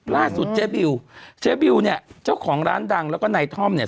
เจ๊บิวเจ๊บิวเนี่ยเจ้าของร้านดังแล้วก็นายท่อมเนี่ย